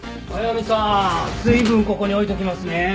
水分ここに置いときますね。